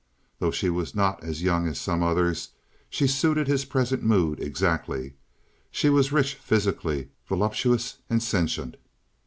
Though she was not as young as some others, she suited his present mood exactly. She was rich physically—voluptuous and sentient.